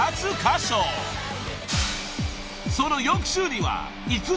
［その翌週には］